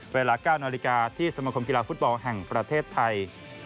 เวลา๙นาฬิกาที่สมคมกีฬาฟุตบอลแห่งประเทศไทย